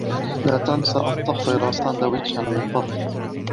لا تنس أن تحضر ساندويشا من فضلك.